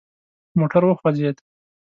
موټر وخوځید.